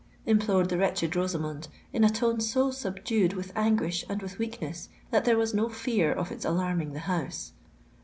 implored the wretched Rosamond, in a tone so subdued with anguish and with weakness, that there was no fear of its alarming the house.